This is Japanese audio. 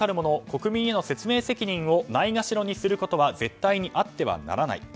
国民への説明責任をないがしろにすることは絶対にあってはならない。